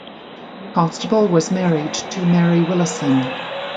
Constable was married to Mary Willison.